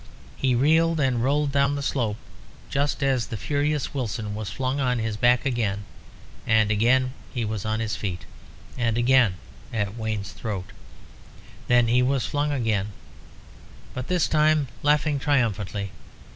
He reeled and rolled down the slope, just as the furious Wilson was flung on his back again. And again he was on his feet, and again at Wayne's throat. Then he was flung again, but this time laughing triumphantly.